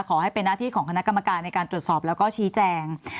ขอให้เป็นหน้าที่ของคณะกรรมการในการตรวจสอบแล้วก็ชี้แจง